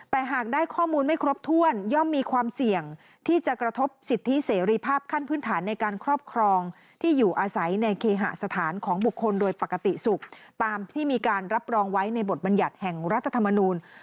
แต่หากได้ข้อมูลไม่ครบถ้วนย่อมมีความเสี่ยงที่จะกระทบสิทธิเสรีภาพขั้นพื้นฐานในการครอบครองที่อยู่อาศัยในเคหสถานของบุคคลโดยปกติสุขตามที่มีการรับรองไว้ในบทบรรยัติแห่งรัฐธรรมนูล